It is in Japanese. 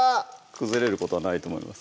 崩れることはないと思います